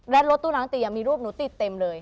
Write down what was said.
และรถตู้ล้างตียังมีรูปหนูติดเต็มเลย